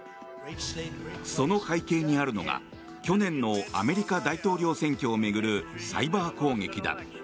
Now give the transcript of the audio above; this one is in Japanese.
その背景にあるのが去年のアメリカ大統領選挙を巡るサイバー攻撃だ。